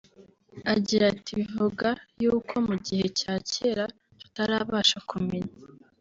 Agira ati “Bivuga yuko mu gihe cya kera tutarabasha kumenya